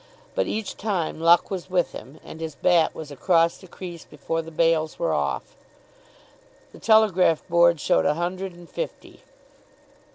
But each time luck was with him, and his bat was across the crease before the bails were off. The telegraph board showed a hundred and fifty.